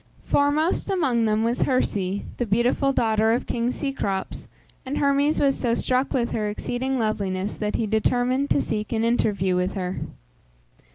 Foremost among them was Herse, the beautiful daughter of king Cecrops, and Hermes was so struck with her exceeding loveliness that he determined to seek an interview with her.